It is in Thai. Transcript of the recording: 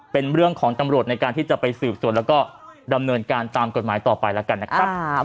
เป็นเรื่องของตำรวจในการที่จะไปสืบสวนแล้วก็ดำเนินการตามกฎหมายต่อไปแล้วกันนะครับ